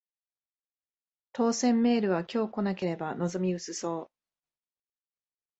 当せんメールは今日来なければ望み薄そう